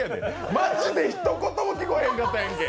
マジでひと言も聞こえへんやったやんけ。